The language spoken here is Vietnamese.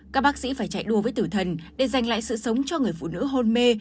các bác sĩ phải chạy đua với tử thần để giành lại sự sống cho người phụ nữ hôn mê